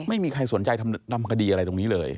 ไม่มีใครสนใจทำคดีอะไรตรงนี้เลย